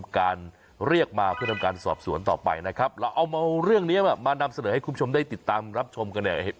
การสอบสวนต่อไปนะครับเราเอาเรื่องนี้มานำเสนอให้คุณผู้ชมได้ติดตามรับชมกันเนี่ย